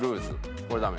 これダメ。